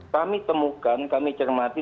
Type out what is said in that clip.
kami temukan kami cermati